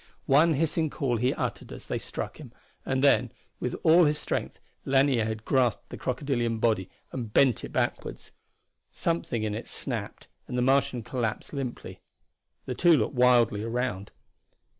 One hissing call he uttered as they struck him, and then with all his strength Lanier had grasped the crocodilian body and bent it backward. Something in it snapped, and the Martian collapsed limply. The two looked wildly around.